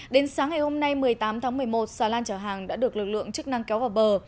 đến sáng ngày hôm nay một mươi tám tháng một mươi một xà lan chở hàng đã được lực lượng chức năng kéo vào bờ